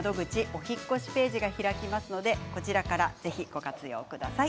お引っ越しページが開きますのでぜひ、ご活用ください。